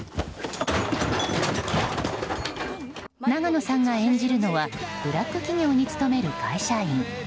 永野さんが演じるのはブラック企業に勤める会社員。